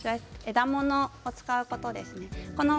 枝ものを使うことです。